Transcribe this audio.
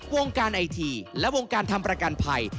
วงการไอทีและวงการทำประกันภัย